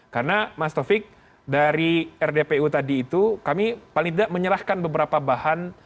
karena mas taufik dari rdpu tadi itu kami paling tidak menyerahkan beberapa bahan